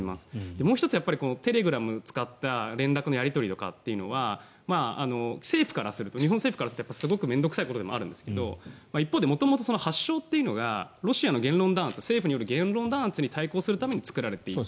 もう１つはテレグラムを使った連絡のやり方というのは日本政府からするとすごく面倒臭いことでもあるんですが一方で元々発祥というのがロシア政府の言論弾圧に対抗するために作られていて。